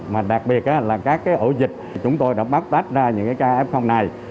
mà đặc biệt là các ổ dịch chúng tôi đã bắt tách ra những cái ca f này